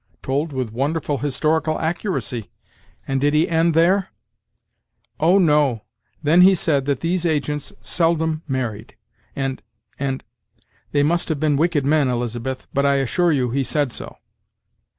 "Told with wonderful historical accuracy! And did he end there?" "Oh! no then he said that these agents seldom married; and and they must have been wicked men, Elizabeth! but I assure you he said so."